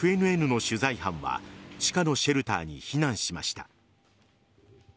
ＦＮＮの取材班は地下のシェルターに避難しました。